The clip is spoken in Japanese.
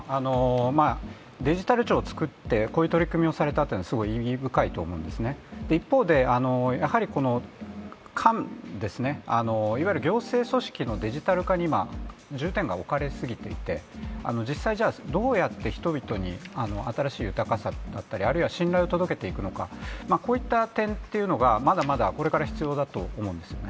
デジタル庁を作って、こういう取り組みをされたというのはすごい意義深いと思うんですね、一方で官、いわゆる行政組織のデジタル化に重点が置かれすぎていて実際どうやって人々に新しい豊かさだったりあるいは信頼を届けていくのかこういった点がまだまだこれから必要だと思うんですね。